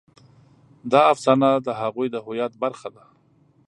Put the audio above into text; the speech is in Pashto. دا افسانه د هغوی د هویت برخه ده.